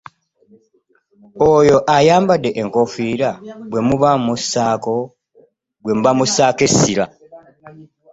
Oyo ayambadde enkofiira gwe muba mussaako essira.